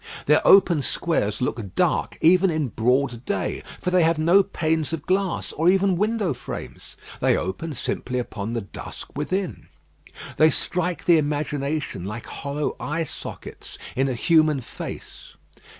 Their open squares look dark even in broad day, for they have no panes of glass, or even window frames. They open simply upon the dusk within. They strike the imagination like hollow eye sockets in a human face.